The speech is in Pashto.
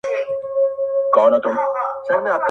اوس هغه بل كور كي اوسيږي كنه~